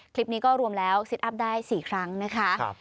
คลิปนี้ก็รวมแล้วซิตอัพได้๔ครั้งนะคะ